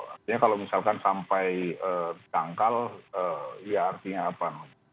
artinya kalau misalkan sampai dangkal ya artinya apa